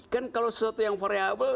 kan kalau sesuatu yang variable